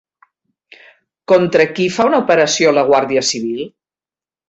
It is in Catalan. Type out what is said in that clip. Contra qui fa una operació la Guàrdia Civil?